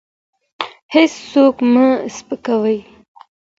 هېڅوک مه سپکوئ.